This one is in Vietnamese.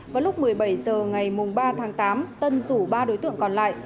vào lúc một mươi bảy h ngày ba tháng tám tân rủ ba đối tượng còn lại